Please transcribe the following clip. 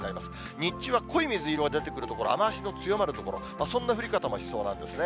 日中は濃い水色が出てくる所、雨足の強まる所、そんな降り方もしそうなんです。